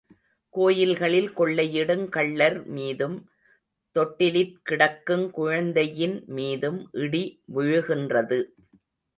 கோயில்களில் கொள்ளையிடுங் கள்ளர் மீதும், தொட்டிலிற் கிடக்குங் குழந்தையின் மீதும் இடி விழுகின்றது.